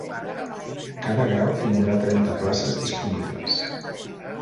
Cada grau tindrà trenta places disponibles.